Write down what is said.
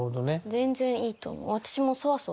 全然いいと思う。